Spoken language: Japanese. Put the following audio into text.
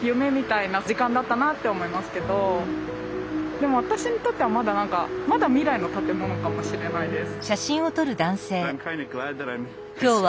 でも私にとってはまだなんかまだ未来の建物かもしれないです。